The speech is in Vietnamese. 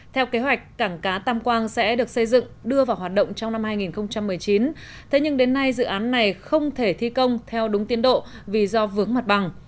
theo kế hoạch cảng cá tam quang sẽ được xây dựng đưa vào hoạt động trong năm hai nghìn một mươi chín thế nhưng đến nay dự án này không thể thi công theo đúng tiến độ vì do vướng mặt bằng